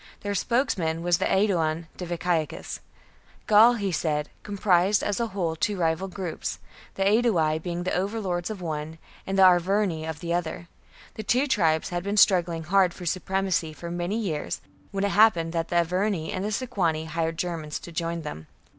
Their spokesman was the Aeduan Diviciacus. Gaul, he said, comprised, as a whole, two rival groups, the Aedui being the overlords of one and the Arverni of the other. The two tribes had been struggling hard for supremacy for many years, when it happened that the Arverni and the Sequani hired Germans to join them.